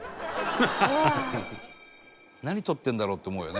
「うわあ」「何撮ってるんだろう？って思うよね